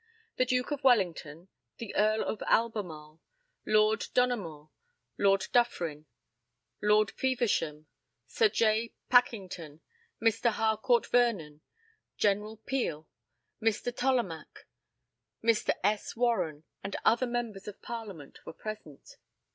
The Duke of Wellington, the Earl of Albemarle, Lord Donoughmore, Lord Dufferin, Lord Feversham, Sir J. Pakington, Mr. Harcourt Vernon, General Peel, Mr. Tollemache, Mr. S. Warren, and other Members of Parliament, were present.